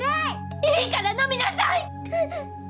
いいからのみなさい！